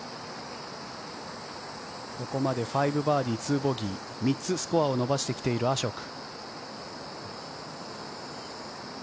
ここまで５バーディー２ボギー３つスコアを伸ばしてきているアショク。